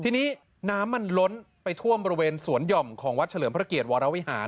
ทีนี้น้ำมันล้นไปท่วมบริเวณสวนหย่อมของวัดเฉลิมพระเกียรวรวิหาร